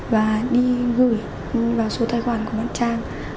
và đi gửi vào số tài khoản của bọn trang